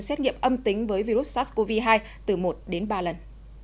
xét nghiệm âm tính với virus sars cov hai từ một đến ba lần